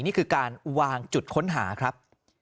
นี่คือการวางจุดค้นหาครับ